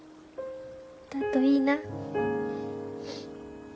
だといいな。